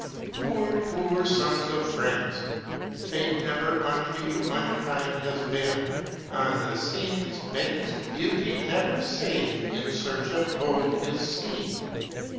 Poor, poor sons of France! Fate ever Unto you unkind has been; On the Seine's banks, beauty never Save in search of gold is seen.